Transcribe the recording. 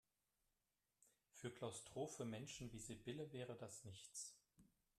Für klaustrophobe Menschen wie Sibylle wäre das nichts.